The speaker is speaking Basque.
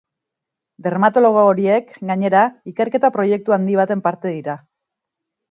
Dermatologo horiek, gainera, ikerketa-proiektu handi baten parte dira.